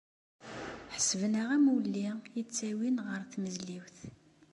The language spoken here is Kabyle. Ḥesben-aɣ am wulli i ttawin ɣer tmezliwt.